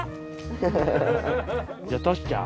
じゃあとしちゃん。